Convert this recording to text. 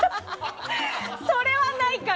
それは、ないから！